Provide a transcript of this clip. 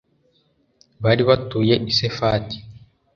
bari batuye i sefati